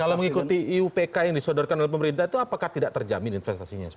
kalau mengikuti iupk yang disodorkan oleh pemerintah itu apakah tidak terjamin investasinya